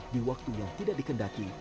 di waktu yang tidak dikendaki